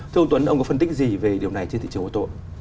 thưa ông tuấn ông có phân tích gì về điều này trên thị trường ô tô